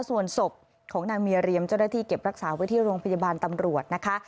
ส่วนศพของนางเมียเรียมเจ้าหน้าที่เก็บรักษาไว้ที่โรงพยาบาลตำรวจนะคะ